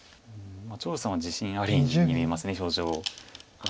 張栩さんは自信ありに見えます表情は。